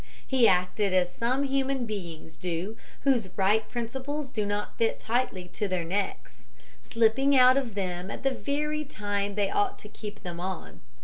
He acted as some human beings do whose right principles do not fit tightly to their necks slipping out of them at the very time they ought to keep them on.